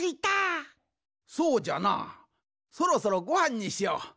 そうじゃなそろそろごはんにしよう。